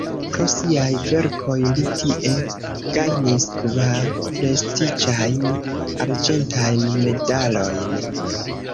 Pro siaj verkoj li tie gajnis kvar prestiĝajn arĝentajn medalojn.